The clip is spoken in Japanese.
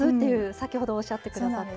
先ほどおっしゃって下さった。